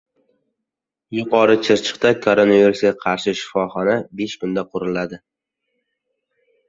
Yuqori Chirchiqda koronavirusga qarshi shifoxona besh kunda quriladi